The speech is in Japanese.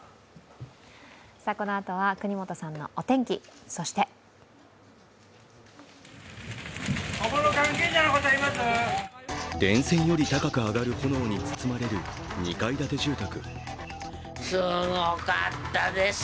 このあとは國本さんのお天気、そして電線より高く上がる炎に包まれる２階建て住宅。